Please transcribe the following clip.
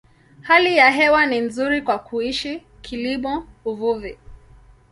Hali ya hewa ni nzuri kwa kuishi, kilimo, uvuvi.